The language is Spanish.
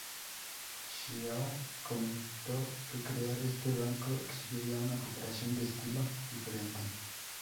Xiao comentó que crear este banco exigiría una cooperación de estilo diferente.